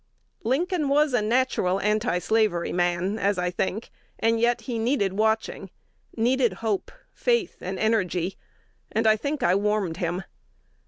Lincoln was a natural antislavery man, as I think, and yet he needed watching, needed hope, faith, energy; and I think I warmed him.